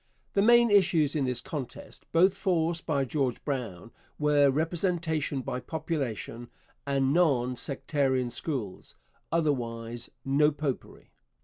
The main issues in this contest, both forced by George Brown, were 'Representation by Population' and 'Non sectarian Schools' otherwise No Popery.